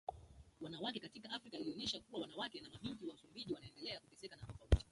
wanawake katika Afrika ilionesha kuwa wanawake na mabinti wa Msumbiji wanaendela kuteseka na tofauti